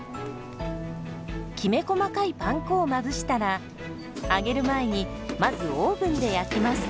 きめ細かいパン粉をまぶしたら揚げる前にまずオーブンで焼きます。